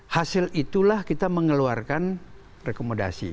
hasil itulah kita mengeluarkan rekomendasi